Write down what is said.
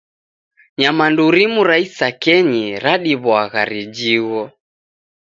Nyamandu rimu ra isakenyi radiw'agha rijigho.